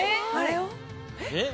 えっ？